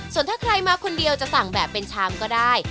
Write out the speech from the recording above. ส่วนถ้าใครมาคนเดียวจะสั่งแบบเป็นชามก็ได้